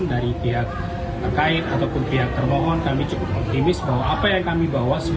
dari pihak terkait ataupun pihak termohon kami cukup optimis bahwa apa yang kami bawa